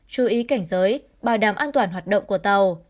chú ý cảnh giới bảo đảm an toàn hoạt động của tàu